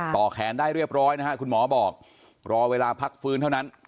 แขนได้เรียบร้อยนะฮะคุณหมอบอกรอเวลาพักฟื้นเท่านั้น